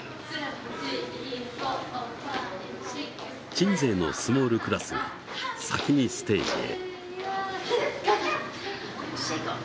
鎮西のスモールクラスが先にステージへ。